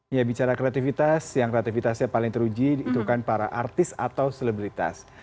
ya bicara kreativitas yang kreativitasnya paling teruji itu kan para artis atau selebritas